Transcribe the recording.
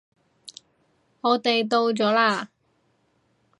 我哋到咗喇